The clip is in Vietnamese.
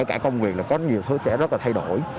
cả công việc là có nhiều thứ sẽ rất là thay đổi